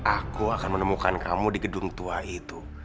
aku akan menemukan kamu di gedung tua itu